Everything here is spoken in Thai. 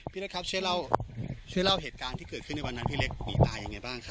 เล็กครับช่วยเล่าเหตุการณ์ที่เกิดขึ้นในวันนั้นพี่เล็กหนีตายยังไงบ้างครับ